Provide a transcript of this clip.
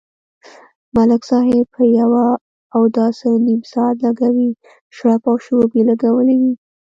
ملک صاحب په یوه اوداسه نیم ساعت لگوي، شړپ او شړوپ یې لگولی وي.